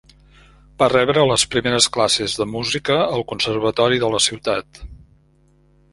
Va rebre les primeres classes de música al conservatori de la ciutat.